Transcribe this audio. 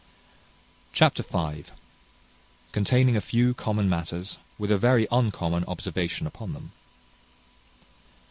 Chapter v. Containing a few common matters, with a very uncommon observation upon them.